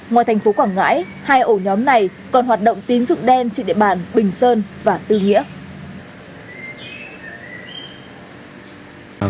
ngoài thành phố quảng ngãi hai ổ nhóm này còn hoạt động tín dụng đen trên địa bàn bình sơn và tư nghĩa